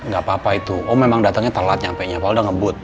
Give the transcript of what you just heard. gapapa itu om memang datengnya telat nyampe